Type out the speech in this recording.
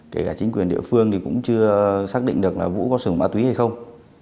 kể cả chính quyền địa phương thì cũng chưa xác định được là vũ có sử dụng ma túy hay không